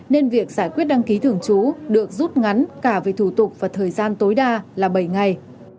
nên việc giải quyết đăng ký thường trú được rút ngắn cả về thủ tục và thời gian tối đa là bảy ngày